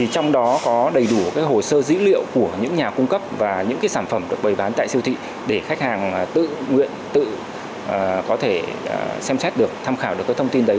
trong đó có đầy đủ hồ sơ dữ liệu của những nhà cung cấp và những sản phẩm được bày bán tại siêu thị để khách hàng tự nguyện tự có thể xem xét được tham khảo được thông tin đấy